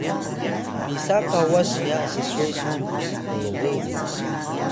Wilang: pisa kawas nya sswe su nerin?